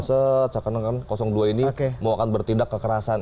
seakan akan dua ini mau akan bertindak kekerasan